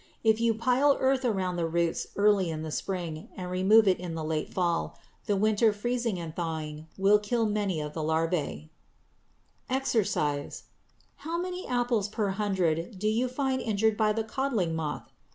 If you pile earth around the roots early in the spring and remove it in the late fall, the winter freezing and thawing will kill many of the larvæ. =EXERCISE= How many apples per hundred do you find injured by the codling moth?